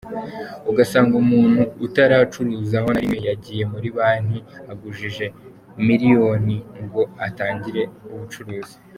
Ugasanga umuntu utaracuruzaho na rimwe agiye muri banki agujije miliyoni ngo atangire ubucuruzi.